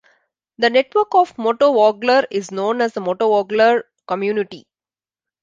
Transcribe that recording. The network of motovloggers is known as the motovlogger community.